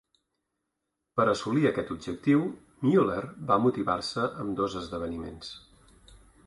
Per assolir aquest objectiu. Müller va motivar-se amb dos esdeveniments.